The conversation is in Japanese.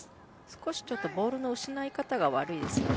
少しボールの失い方が悪いですよね。